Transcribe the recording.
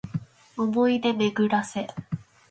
想おもい出で巡めぐらせ